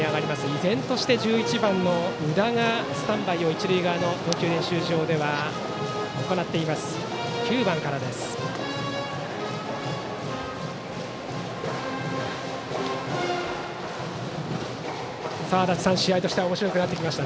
依然として１１番の宇田がスタンバイを一塁側の投球練習場で行っています。